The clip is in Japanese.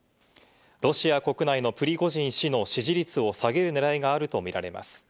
ロシア国内のプリコジン氏の支持率を下げる狙いがあると見られます。